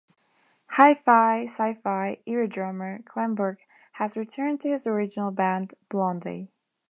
"Hi-Fi Sci-Fi"-era drummer Clem Burke has returned to his original band, Blondie.